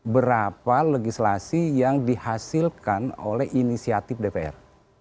berapa legislasi yang dihasilkan oleh inisiatif dpr